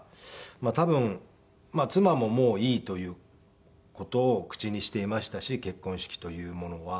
多分妻ももういいという事を口にしていましたし結婚式というものは。